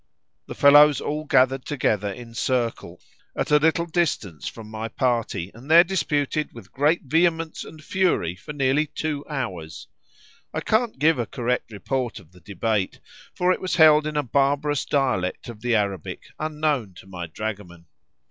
The fellows all gathered together in circle, at a little distance from my party, and there disputed with great vehemence and fury for nearly two hours. I can't give a correct report of the debate, for it was held in a barbarous dialect of the Arabic unknown to my dragoman.